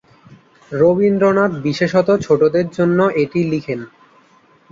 রবীন্দ্রনাথ বিশেষত ছোটদের জন্য এটি লিখেন।